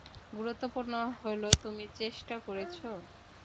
গুরুত্বপূর্ণ হলো তুমি চেষ্টা করেছ।